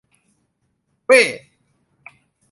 เว้ !